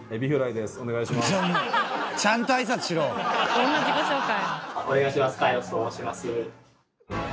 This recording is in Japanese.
どんな自己紹介？